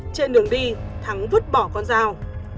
trên đường đi thắng vứt bỏ con dao